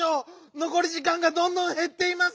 のこりじかんがどんどんへっています！